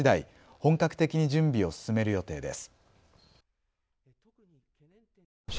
本格的に準備を進める予定です。